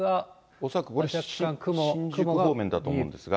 恐らくこれ、新宿方面だと思うんですが。